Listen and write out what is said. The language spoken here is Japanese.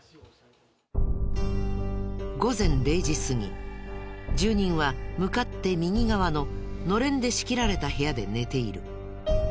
午前０時過ぎ住人は向かって右側ののれんで仕切られた部屋で寝ている。